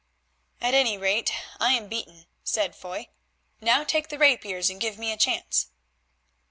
"At any rate I am beaten," said Foy; "now take the rapiers and give me a chance."